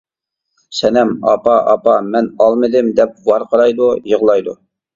سەنەم :-ئاپا ئاپا، مەن ئالمىدىم دەپ ۋارقىرايدۇ، يىغلايدۇ.